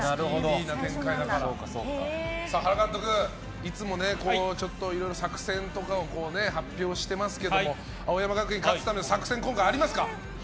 原監督、いつもいろいろ作戦とかを発表してますけども青山学院が勝つために作戦、今回ありますか。